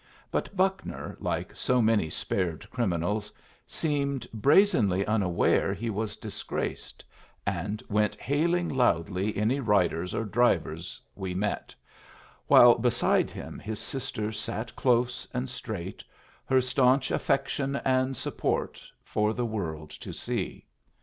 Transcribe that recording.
But Buckner, like so many spared criminals, seemed brazenly unaware he was disgraced, and went hailing loudly any riders or drivers we met, while beside him his sister sat close and straight, her stanch affection and support for the world to see.